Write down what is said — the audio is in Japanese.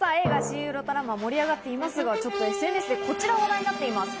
映画『シン・ウルトラマン』が盛り上がっていますが、ＳＮＳでこちらも話題になっています。